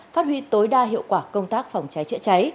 phát huy tối đa hiệu quả công tác phòng trái chữa trái